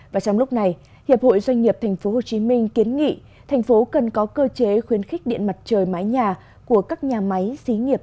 và trong lúc này hiệp hội doanh nghiệp thành phố hồ chí minh kiến nghị thành phố cần có cơ chế khuyến khích điện mặt trời máy nhà của các nhà máy xí nghiệp